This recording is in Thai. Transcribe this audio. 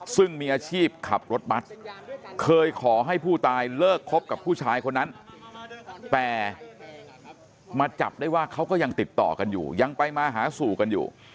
ซึ่งมีอาชีพขับรถบัสเคยขอให้ผู้ตายเลิกคบกับผู้ชายคนนั้นแต่มาจับได้ว่าเขาก็ยังติดต่อกันอยู่ยังไปมาหาสู่กันอยู่